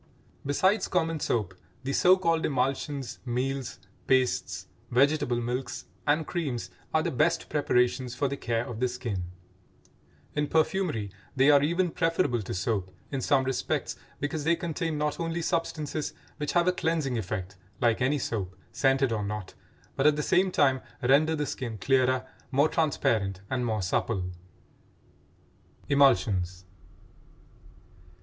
Besides common soap, the so called emulsions, meals, pastes, vegetable milks and creams are the best preparations for the care of the skin; in perfumery they are even preferable to soap in some respects because they contain not only substances which have a cleansing effect like any soap, scented or not, but at the same time render the skin clearer, more transparent, and more supple. EMULSIONS.